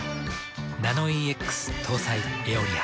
ナノイーＸ搭載「エオリア」。